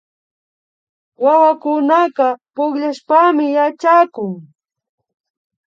Wawakunaka pukllashpami yachakun